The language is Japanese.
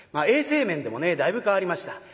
衛生面でもねだいぶ変わりました。